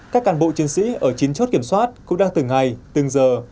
các cán bộ chiến sĩ ở chín chốt kiểm soát cũng đang từng ngày từng giờ